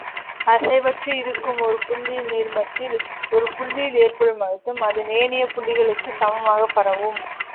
அசைவற்று இருக்கும் ஒரு நீர்மத்தில் ஒரு புள்ளியில் ஏற்படும் அழுத்தம், அதன் ஏனைய புள்ளிகளுக்கும் சமமாகப் பரவும்.